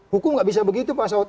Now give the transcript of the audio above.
hukum gak bisa begitu pak